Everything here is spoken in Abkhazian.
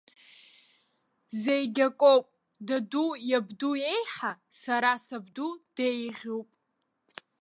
Зегьакоуп, даду иабду иеиҳа сара сабду деиӷьуп!